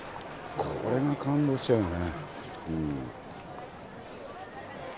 これが感動しちゃうよね。